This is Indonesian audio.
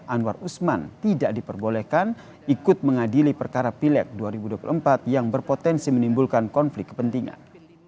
anwar usman tidak diperbolehkan ikut mengadili perkara pileg dua ribu dua puluh empat yang berpotensi menimbulkan konflik kepentingan